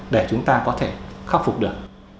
để chúng ta có thể khắc phục được